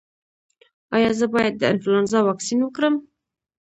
ایا زه باید د انفلونزا واکسین وکړم؟